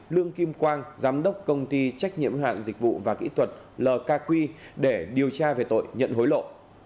lương kim quang giám đốc công ty trách nhiệm hạn dịch vụ và kỹ thuật lk để điều tra về tội nhận hối lộ